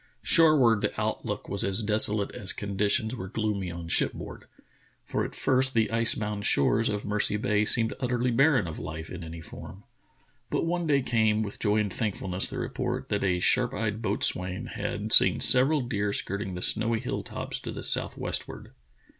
Shoreward the outlook was as desolate as conditions were gloomy on shipboard. For at first the ice bound shores of Mercy Bay seemed utterly barren of life in any form. But one day came with joy and thankfulness the report that a sharp ej^ed boatswain had seen several deer skirting the snowy hill tops to the southwestward.